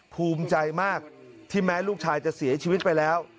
ภูมิใจมากที่แม้ลูกชายจะเสียชีวิตไปแล้ว